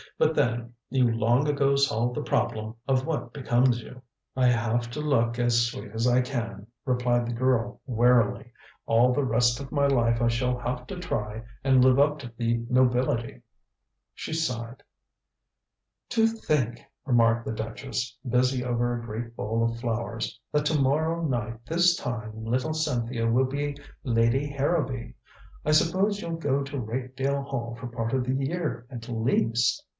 "But then, you long ago solved the problem of what becomes you." "I have to look as sweet as I can," replied the girl wearily. "All the rest of my life I shall have to try and live up to the nobility." She sighed. "To think," remarked the duchess, busy over a great bowl of flowers, "that to morrow night this time little Cynthia will be Lady Harrowby. I suppose you'll go to Rakedale Hall for part of the year at least?"